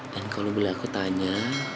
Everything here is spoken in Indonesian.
dan kalau beli aku tanya